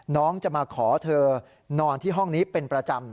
น้องจะมาขอเธอนอนที่ห้องนี้เป็นประจำ